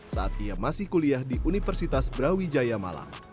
saat ia masih kuliah di universitas brawijaya malang